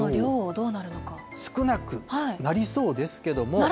少なくなりそうですけれども。